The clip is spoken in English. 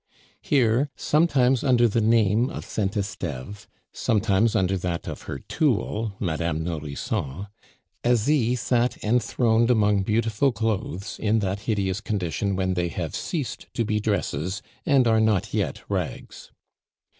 Here, sometimes under the name of Saint Esteve, sometimes under that of her tool, Madame Nourrisson, Asie sat enthroned among beautiful clothes in that hideous condition when they have ceased to be dresses and are not yet rags.